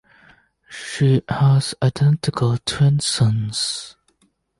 She has identical twin sons.